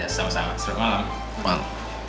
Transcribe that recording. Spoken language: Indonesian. ya sama sama selamat malam